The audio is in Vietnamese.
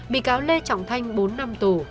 bị cáo lê trọng thanh bốn năm tù